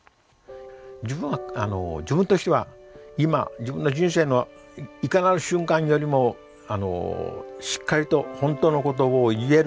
自分は自分としては今自分の人生のいかなる瞬間よりもしっかりと本当のことを言える技術